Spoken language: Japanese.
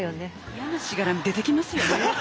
嫌なしがらみ出てきますよね。